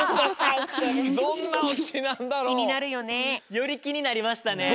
よりきになりましたね。